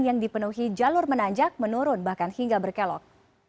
yang dipenuhi jalur menanjak menurun bahkan hingga berkelok